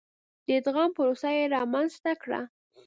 د ادغام پروسه یې رامنځته کړه.